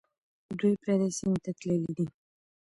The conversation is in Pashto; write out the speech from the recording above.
دوی پردي سیمې ته تللي دي.